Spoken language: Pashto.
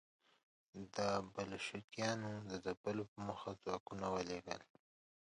د بلشویکانو د ځپلو په موخه ځواکونه ولېږل.